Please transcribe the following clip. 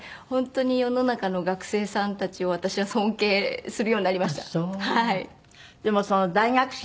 本当に世の中の学生さんたちを私は尊敬するようになりました。